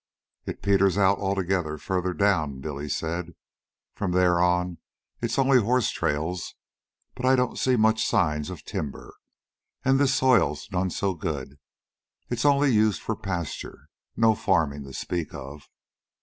"It peters out altogether farther down," Billy said. "From there on it's only horse trails. But I don't see much signs of timber, an' this soil's none so good. It's only used for pasture no farmin' to speak of."